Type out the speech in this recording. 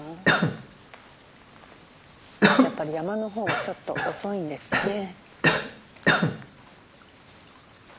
やっぱり山の方はちょっと遅いんですかね？